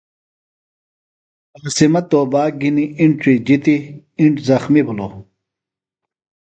قاسمہ توباک گِھنیۡ اِنڇی جِتیۡ، اِنڇ زخمیۡ بھِلوۡ۔